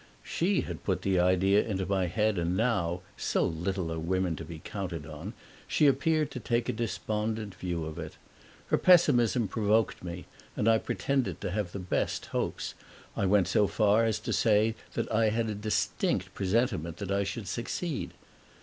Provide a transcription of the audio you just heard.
She had put the idea into my head and now (so little are women to be counted on) she appeared to take a despondent view of it. Her pessimism provoked me and I pretended to have the best hopes; I went so far as to say that I had a distinct presentiment that I should succeed.